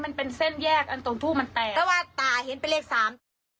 มันเป็นเส้นแยกอันตรงทูบมันแตกเพราะว่าตาเห็นเป็นเลขสามแต่